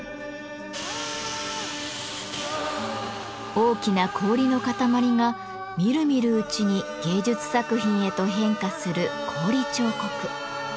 大きな氷の塊がみるみるうちに芸術作品へと変化する氷彫刻。